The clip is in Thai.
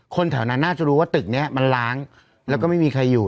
แถวนั้นน่าจะรู้ว่าตึกนี้มันล้างแล้วก็ไม่มีใครอยู่